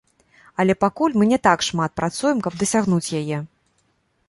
Але пакуль мы не так шмат працуем, каб дасягнуць яе.